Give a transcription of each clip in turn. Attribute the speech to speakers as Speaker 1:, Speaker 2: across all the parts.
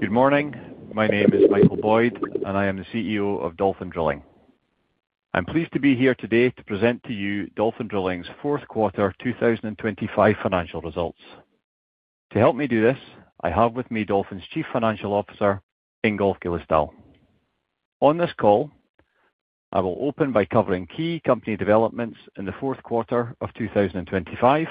Speaker 1: Good morning. My name is Michael Boyd, and I am the CEO of Dolphin Drilling. I'm pleased to be here today to present to you Dolphin Drilling's Fourth Quarter 2025 Financial Results. To help me do this, I have with me Dolphin's Chief Financial Officer, Ingolf Gillesdal. On this call, I will open by covering key company developments in the fourth quarter of 2025.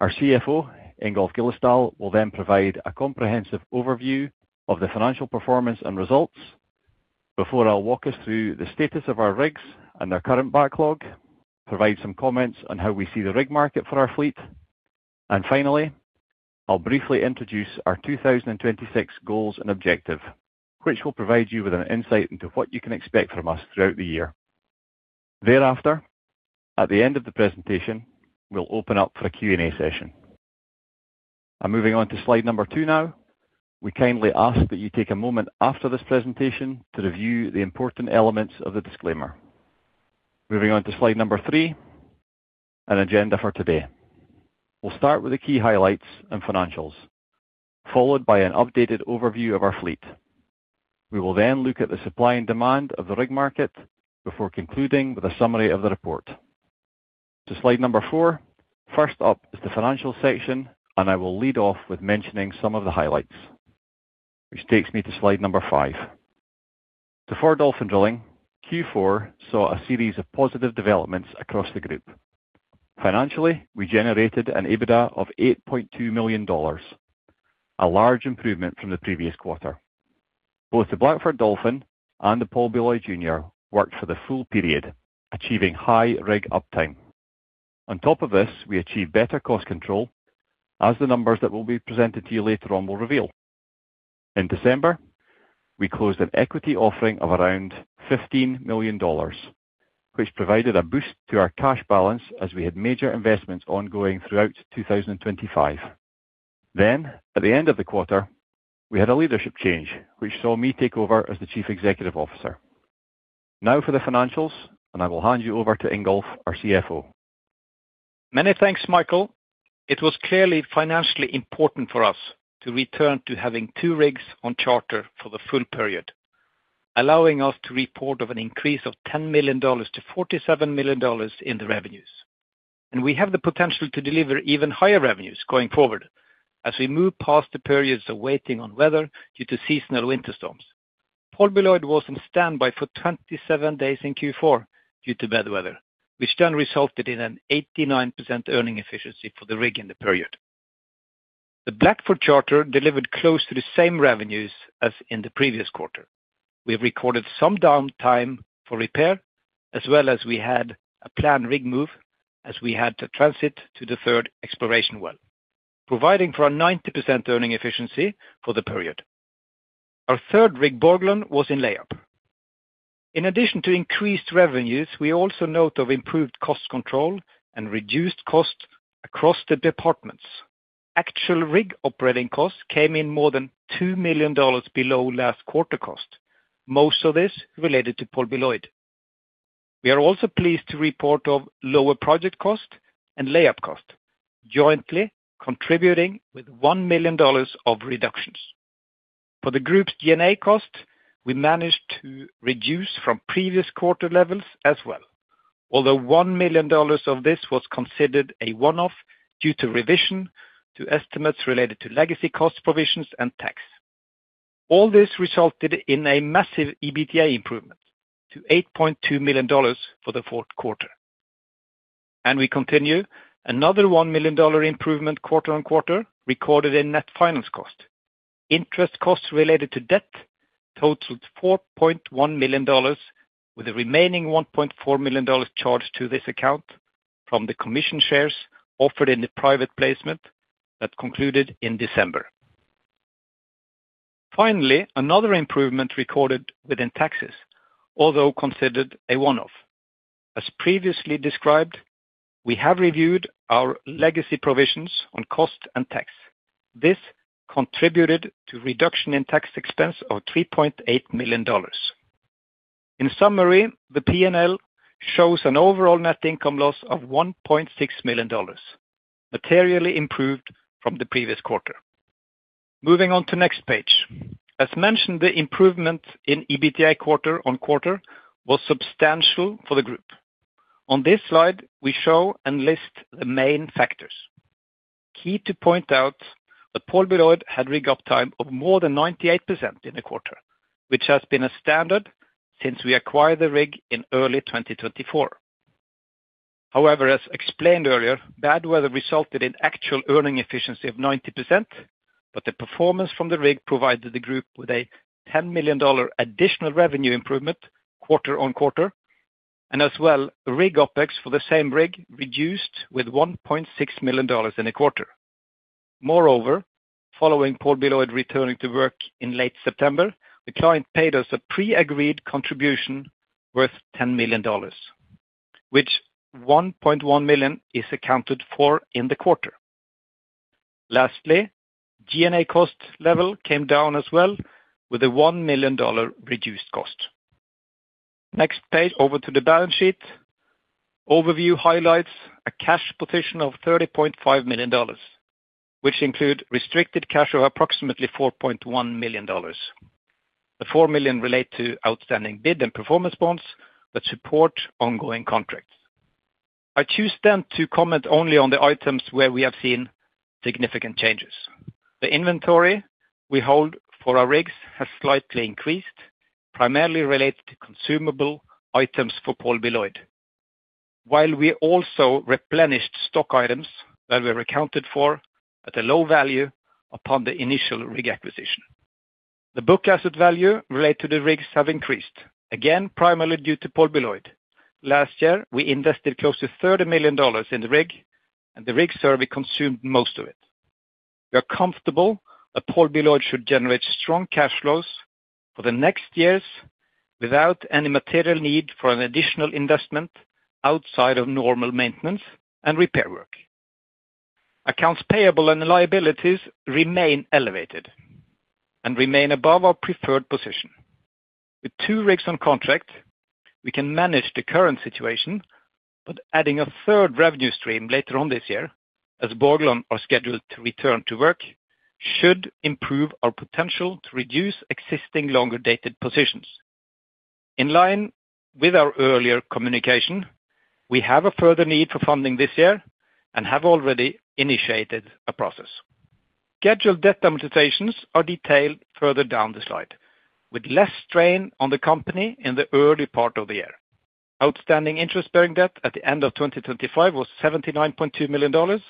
Speaker 1: Our CFO, Ingolf Gillesdal, will then provide a comprehensive overview of the financial performance and results before I'll walk us through the status of our rigs and their current backlog, provide some comments on how we see the rig market for our fleet, and finally, I'll briefly introduce our 2026 goals and objective, which will provide you with an insight into what you can expect from us throughout the year. Thereafter, at the end of the presentation, we'll open up for a Q&A session. Moving on to slide number two now. We kindly ask that you take a moment after this presentation to review the important elements of the disclaimer. Moving on to slide number three, an agenda for today. We'll start with the key highlights and financials, followed by an updated overview of our fleet. We will then look at the supply and demand of the rig market before concluding with a summary of the report. To slide number four. First up is the financial section, and I will lead off with mentioning some of the highlights, which takes me to slide number five. For Dolphin Drilling, Q4 saw a series of positive developments across the group. Financially, we generated an EBITDA of $8.2 million, a large improvement from the previous quarter. Both the Blackford Dolphin and the Paul B. Loyd, Jr. worked for the full period, achieving high rig uptime. On top of this, we achieved better cost control as the numbers that will be presented to you later on will reveal. In December, we closed an equity offering of around $15 million, which provided a boost to our cash balance as we had major investments ongoing throughout 2025. At the end of the quarter, we had a leadership change, which saw me take over as the Chief Executive Officer. Now for the financials, I will hand you over to Ingolf, our CFO.
Speaker 2: Many thanks, Michael. It was clearly financially important for us to return to having two rigs on charter for the full period, allowing us to report of an increase of $10 million-$47 million in the revenues. We have the potential to deliver even higher revenues going forward as we move past the periods of waiting on weather due to seasonal winter storms. Paul B. Loyd, Jr. was on standby for 27 days in Q4 due to bad weather, which then resulted in an 89% earning efficiency for the rig in the period. The Blackford Dolphin charter delivered close to the same revenues as in the previous quarter. We have recorded some downtime for repair, as well as we had a planned rig move as we had to transit to the third exploration well, providing for a 90% earning efficiency for the period. Our third rig, Borgland, was in layup. In addition to increased revenues, we also note of improved cost control and reduced costs across the departments. Actual rig operating costs came in more than $2 million below last quarter cost, most of this related to Paul B. Loyd, Jr. We are also pleased to report of lower project cost and layup cost, jointly contributing with $1 million of reductions. For the group's G&A cost, we managed to reduce from previous quarter levels as well, although $1 million of this was considered a one-off due to revision to estimates related to legacy cost, provisions, and tax. All this resulted in a massive EBITDA improvement to $8.2 million for the fourth quarter. We continue another $1 million improvement quarter-on-quarter recorded in net finance cost. Interest costs related to debt totaled $4.1 million, with the remaining $1.4 million charged to this account from the commission shares offered in the private placement that concluded in December. Another improvement recorded within taxes, although considered a one-off. As previously described, we have reviewed our legacy provisions on cost and tax. This contributed to reduction in tax expense of $3.8 million. The P&L shows an overall net income loss of $1.6 million, materially improved from the previous quarter. Moving on to next page. As mentioned, the improvement in EBITDA quarter-on-quarter was substantial for the group. On this slide, we show and list the main factors. Paul B. Loyd, Jr. had rig uptime of more than 98% in the quarter, which has been a standard since we acquired the rig in early 2024. As explained earlier, bad weather resulted in actual earning efficiency of 90%, but the performance from the rig provided the group with a $10 million additional revenue improvement quarter-on-quarter, and as well, rig OpEx for the same rig reduced with $1.6 million in a quarter. Following Paul B. Loyd, Jr. returning to work in late September, the client paid us a pre-agreed contribution worth $10 million, which $1.1 million is accounted for in the quarter. G&A cost level came down as well with a $1 million reduced cost. Next page, over to the balance sheet. Overview highlights a cash position of $30.5 million, which include restricted cash of approximately $4.1 million. The $4 million relate to outstanding bid and performance bonds that support ongoing contracts. I choose to comment only on the items where we have seen significant changes. The inventory we hold for our rigs has slightly increased, primarily related to consumable items for Paul B. Loyd. We also replenished stock items that were accounted for at a low value upon the initial rig acquisition. The book asset value related to the rigs have increased, again, primarily due to Paul B. Loyd. Last year, we invested close to $30 million in the rig, and the rig survey consumed most of it. We are comfortable that Paul B. Loyd, Jr. should generate strong cash flows for the next years without any material need for an additional investment outside of normal maintenance and repair work. Accounts payable and liabilities remain elevated and remain above our preferred position. With two rigs on contract, we can manage the current situation, but adding a third revenue stream later on this year, as Borgland Dolphin are scheduled to return to work, should improve our potential to reduce existing longer-dated positions. In line with our earlier communication, we have a further need for funding this year and have already initiated a process. Scheduled debt amortizations are detailed further down the slide, with less strain on the company in the early part of the year. Outstanding interest-bearing debt at the end of 2025 was $79.2 million,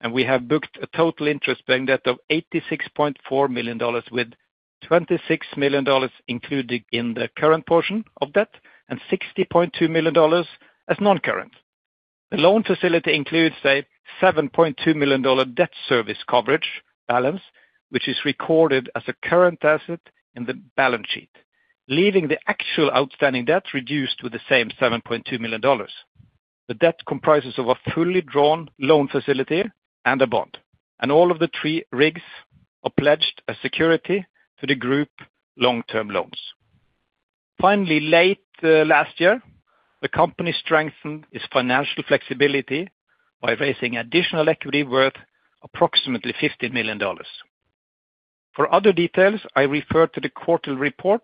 Speaker 2: and we have booked a total interest-bearing debt of $86.4 million, with $26 million included in the current portion of debt and $60.2 million as non-current. The loan facility includes a $7.2 million debt service coverage balance, which is recorded as a current asset in the balance sheet, leaving the actual outstanding debt reduced to the same $7.2 million. The debt comprises of a fully drawn loan facility and a bond, and all of the three rigs are pledged as security to the group long-term loans. Finally, late last year, the company strengthened its financial flexibility by raising additional equity worth approximately $50 million. For other details, I refer to the quarterly report,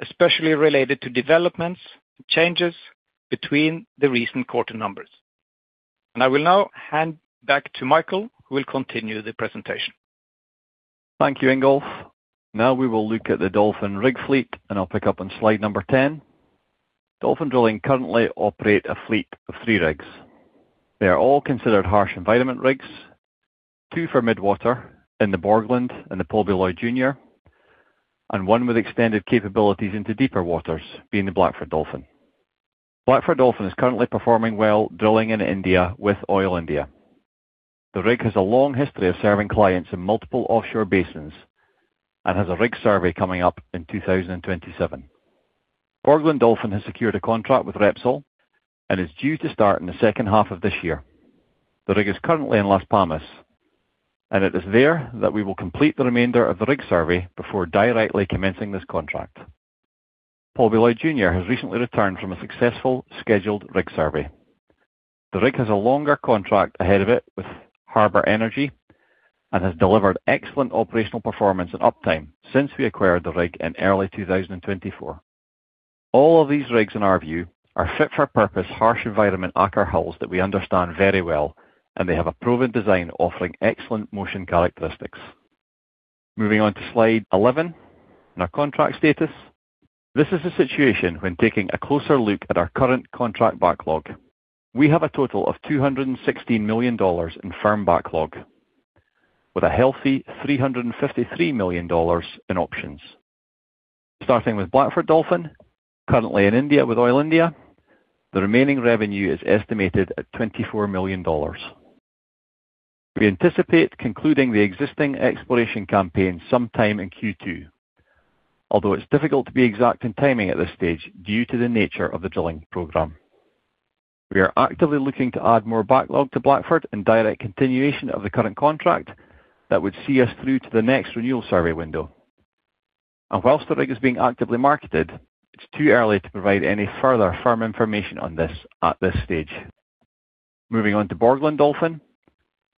Speaker 2: especially related to developments and changes between the recent quarter numbers. I will now hand back to Michael, who will continue the presentation.
Speaker 1: Thank you, Ingolf. Now we will look at the Dolphin rig fleet, and I'll pick up on slide number 10. Dolphin Drilling currently operate a fleet of three rigs. They are all considered harsh environment rigs, two for mid-water in the Borgland Dolphin and the Paul B. Loyd, Jr., and one with extended capabilities into deeper waters, being the Blackford Dolphin. Blackford Dolphin is currently performing well, drilling in India with Oil India. The rig has a long history of serving clients in multiple offshore basins and has a rig survey coming up in 2027. Borgland Dolphin has secured a contract with Repsol and is due to start in the second half of this year. The rig is currently in Las Palmas, and it is there that we will complete the remainder of the rig survey before directly commencing this contract. Paul B. Loyd, Jr. has recently returned from a successful scheduled rig survey. The rig has a longer contract ahead of it with Harbour Energy and has delivered excellent operational performance and uptime since we acquired the rig in early 2024. All of these rigs, in our view, are fit for purpose, harsh environment, Aker hulls that we understand very well, and they have a proven design offering excellent motion characteristics. Moving on to slide 11, our contract status. This is a situation when taking a closer look at our current contract backlog. We have a total of $216 million in firm backlog, with a healthy $353 million in options. Starting with Blackford Dolphin, currently in India with Oil India, the remaining revenue is estimated at $24 million. We anticipate concluding the existing exploration campaign sometime in Q2, although it's difficult to be exact in timing at this stage due to the nature of the drilling program. We are actively looking to add more backlog to Blackford and direct continuation of the current contract that would see us through to the next renewal survey window. Whilst the rig is being actively marketed, it's too early to provide any further firm information on this at this stage. Moving on to Borgland Dolphin.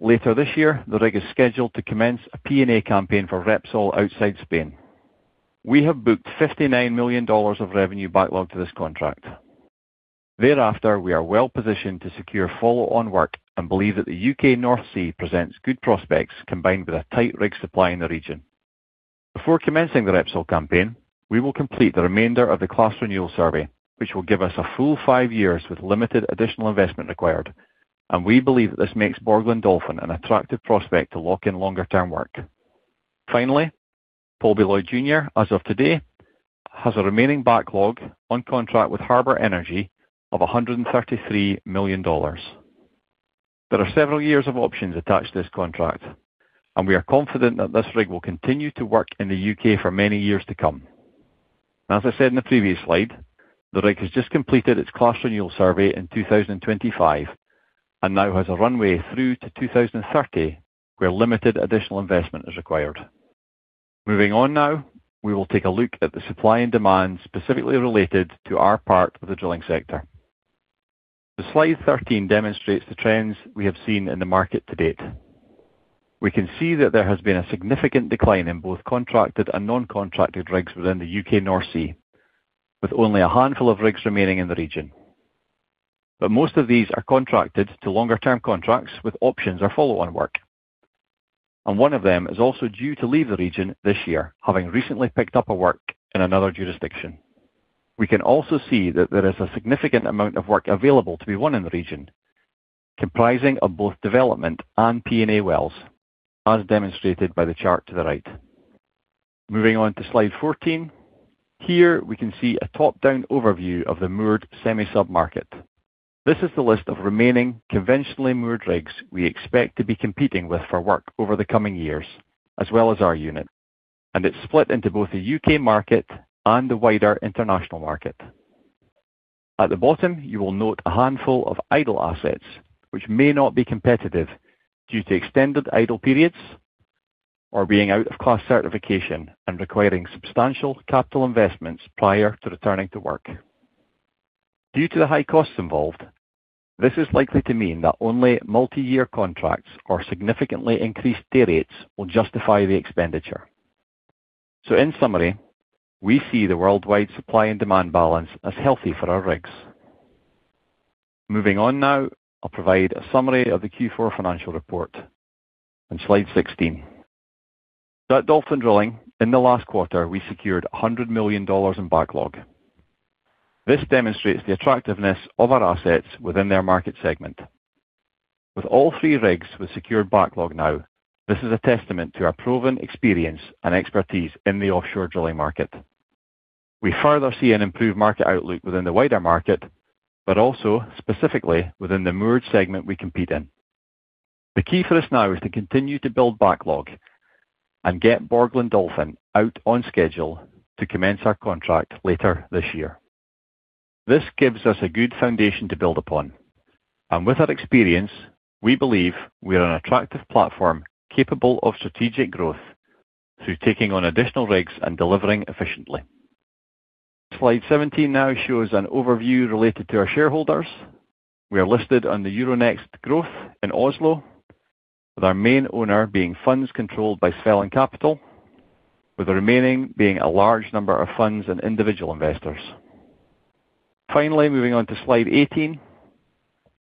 Speaker 1: Later this year, the rig is scheduled to commence a P&A campaign for Repsol outside Spain. We have booked $59 million of revenue backlog for this contract. Thereafter, we are well positioned to secure follow-on work and believe that the U.K. North Sea presents good prospects combined with a tight rig supply in the region. Before commencing the Repsol campaign, we will complete the remainder of the class renewal survey, which will give us a full five years with limited additional investment required. We believe that this makes Borgland Dolphin an attractive prospect to lock in longer-term work. Finally, Paul B. Loyd, Jr., as of today, has a remaining backlog on contract with Harbour Energy of $133 million. There are several years of options attached to this contract. We are confident that this rig will continue to work in the U.K. for many years to come. As I said in the previous slide, the rig has just completed its class renewal survey in 2025. Now has a runway through to 2030, where limited additional investment is required. Moving on now, we will take a look at the supply and demand specifically related to our part of the drilling sector. The slide 13 demonstrates the trends we have seen in the market to date. We can see that there has been a significant decline in both contracted and non-contracted rigs within the U.K. North Sea, with only a handful of rigs remaining in the region. Most of these are contracted to longer-term contracts with options or follow-on work, and one of them is also due to leave the region this year, having recently picked up a work in another jurisdiction. We can also see that there is a significant amount of work available to be won in the region, comprising of both development and P&A wells, as demonstrated by the chart to the right. Moving on to slide 14. Here, we can see a top-down overview of the moored semi-sub market. This is the list of remaining conventionally moored rigs we expect to be competing with for work over the coming years, as well as our unit. It's split into both the U.K. market and the wider international market. At the bottom, you will note a handful of idle assets, which may not be competitive due to extended idle periods or being out of class renewal survey and requiring substantial capital investments prior to returning to work. Due to the high costs involved, this is likely to mean that only multi-year contracts or significantly increased day rates will justify the expenditure. In summary, we see the worldwide supply and demand balance as healthy for our rigs. Moving on now, I'll provide a summary of the Q4 financial report. On slide 16. At Dolphin Drilling, in the last quarter, we secured $100 million in backlog. This demonstrates the attractiveness of our assets within their market segment. With all three rigs with secured backlog now, this is a testament to our proven experience and expertise in the offshore drilling market. We further see an improved market outlook within the wider market, but also specifically within the moored segment we compete in. The key for us now is to continue to build backlog and get Borgland Dolphin out on schedule to commence our contract later this year. This gives us a good foundation to build upon, and with our experience, we believe we are an attractive platform, capable of strategic growth through taking on additional rigs and delivering efficiently. Slide 17 now shows an overview related to our shareholders. We are listed on the Euronext Growth in Oslo, with our main owner being funds controlled by Svelland Capital, with the remaining being a large number of funds and individual investors. Finally, moving on to slide 18.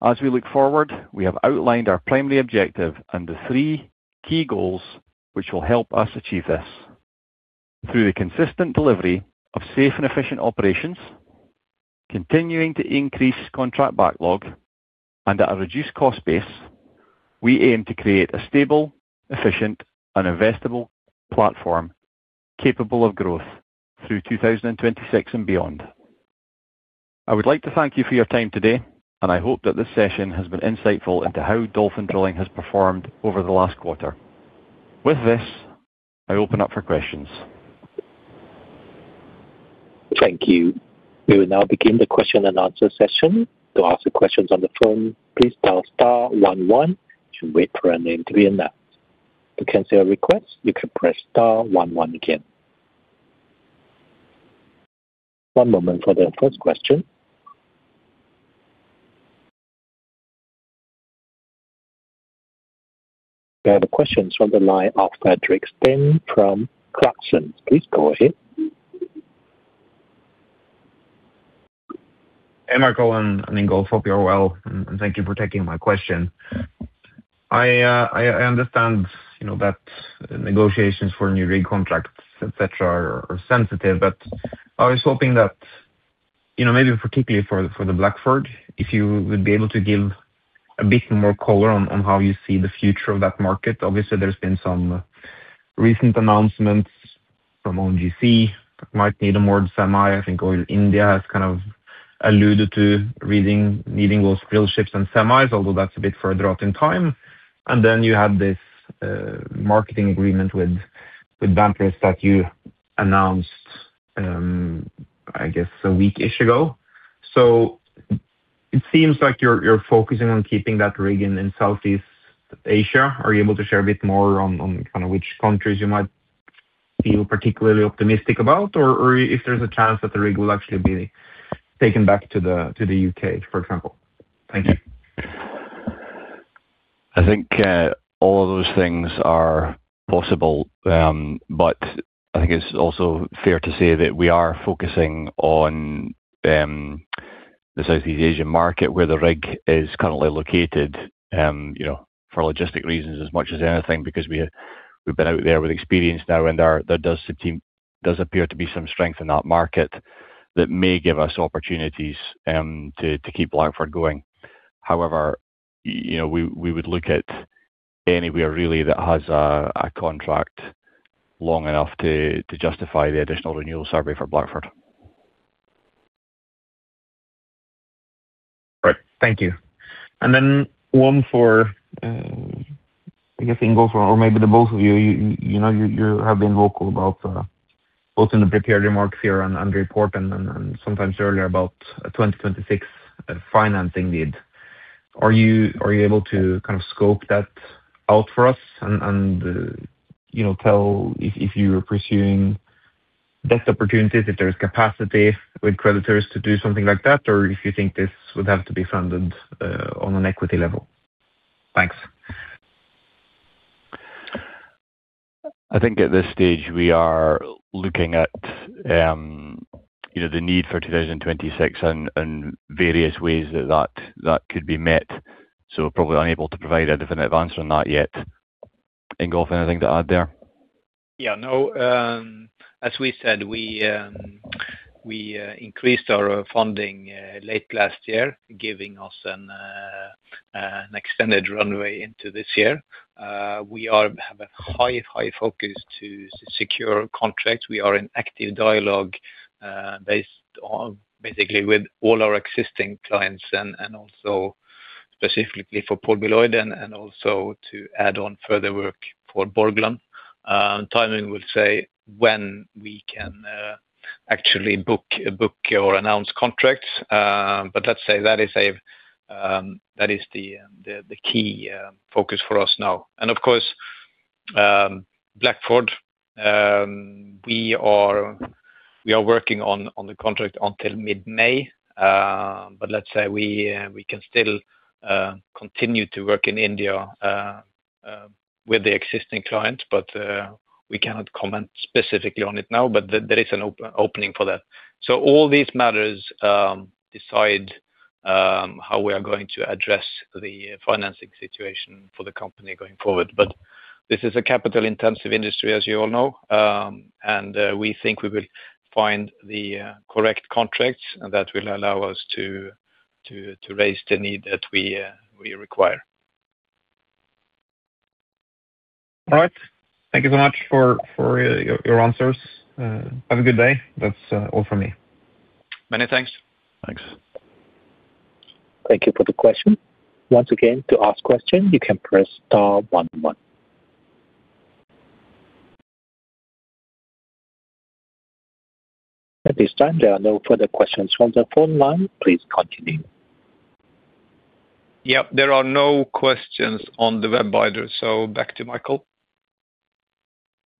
Speaker 1: As we look forward, we have outlined our primary objective and the three key goals which will help us achieve this. Through the consistent delivery of safe and efficient operations, continuing to increase contract backlog, and at a reduced cost base, we aim to create a stable, efficient, and investable platform capable of growth through 2026 and beyond. I would like to thank you for your time today, and I hope that this session has been insightful into how Dolphin Drilling has performed over the last quarter. With this, I open up for questions.
Speaker 3: Thank you. We will now begin the question and answer session. To ask the questions on the phone, please dial star one one and wait for your name to be announced. To cancel a request, you can press star one one again. One moment for the first question. We have a question from the line of Fredrik Stene from Clarksons. Please go ahead.
Speaker 4: Hey, Michael. I hope you are well, and thank you for taking my question. I understand, you know, that negotiations for new rig contracts, et cetera, are sensitive, but I was hoping that, you know, maybe particularly for the Blackford, if you would be able to give a bit more color on how you see the future of that market. Obviously, there's been some recent announcements from ONGC that might need a more semi. I think Oil India has kind of alluded to needing those drill ships and semis, although that's a bit further out in time. Then you had this marketing agreement with Pontus that you announced, I guess, a week-ish ago. It seems like you're focusing on keeping that rig in Southeast Asia. Are you able to share a bit more on kind of which countries you might feel particularly optimistic about, or if there's a chance that the rig will actually be taken back to the U.K., for example? Thank you.
Speaker 1: I think, all of those things are possible, but I think it's also fair to say that we are focusing on the Southeast Asian market, where the rig is currently located, you know, for logistic reasons as much as anything, because we've been out there with experience now, and there does appear to be some strength in that market that may give us opportunities to keep Blackford going. However, you know, we would look at anywhere, really, that has a contract long enough to justify the additional renewal survey for Blackford.
Speaker 4: Right. Thank you. Then one for I guess Ingolf Gillesdal or maybe the both of you know, you have been vocal about both in the prepared remarks here and report and sometimes earlier about a 2026 financing need. Are you able to kind of scope that out for us and, you know, tell if you are pursuing best opportunities, if there's capacity with creditors to do something like that, or if you think this would have to be funded on an equity level? Thanks.
Speaker 1: I think at this stage, we are looking at, you know, the need for 2026 and various ways that could be met. Probably unable to provide a definite answer on that yet. Ingolf, anything to add there?
Speaker 2: No, as we said, we increased our funding late last year, giving us an extended runway into this year. We have a high focus to secure contracts. We are in active dialogue, based on basically with all our existing clients and also specifically for Paul B. Loyd, Jr. and also to add on further work for Borgland. Timing will say when we can actually book or announce contracts. Let's say that is a, that is the key focus for us now. Of course, Blackford, we are working on the contract until mid-May. Let's say we can still continue to work in India with the existing client, but we cannot comment specifically on it now. There is an opening for that. All these matters decide how we are going to address the financing situation for the company going forward. This is a capital intensive industry, as you all know. We think we will find the correct contracts, and that will allow us to raise the need that we require.
Speaker 4: All right. Thank you so much for your answers. Have a good day. That's all from me.
Speaker 2: Many thanks.
Speaker 1: Thanks.
Speaker 3: Thank you for the question. Once again, to ask question, you can press star one one. At this time, there are no further questions from the phone line. Please continue.
Speaker 2: Yep. There are no questions on the web either, so back to Michael.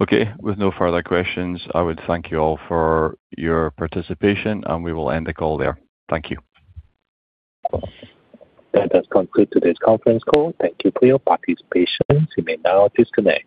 Speaker 1: Okay. With no further questions, I would thank you all for your participation. We will end the call there. Thank you.
Speaker 3: That does conclude today's conference call. Thank you for your participation. You may now disconnect.